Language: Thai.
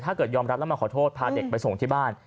ยอมรับแล้วมาขอโทษพาเด็กไปส่งที่บ้าน